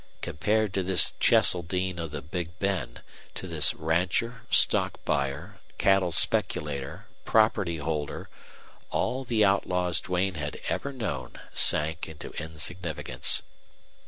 Compared to this Cheseldine of the Big Bend, to this rancher, stock buyer, cattle speculator, property holder, all the outlaws Duane had ever known sank into insignificance.